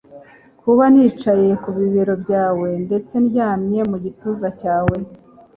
kuba nicaye kubibero byawe ndetse ndyamye mugituza cyawe